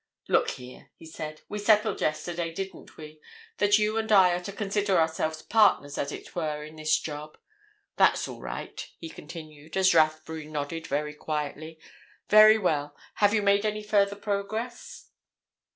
"Look here," he said. "We settled yesterday, didn't we, that you and I are to consider ourselves partners, as it were, in this job? That's all right," he continued, as Rathbury nodded very quietly. "Very well—have you made any further progress?"